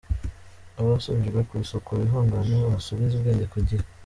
Abasubijwe ku isuka bihangane basubize ubwenge ku gihe !